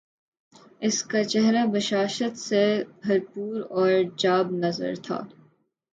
اس کا چہرہ بشاشت سے بھر پور اور جاب نظر تھا